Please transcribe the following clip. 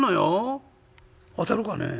「当たるかね？」。